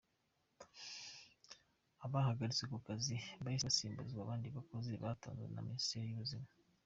Abahagaritswe ku kazi bahise basimbuzwa abandi bakozi batanzwe na Minisiteri y’Ubuzima.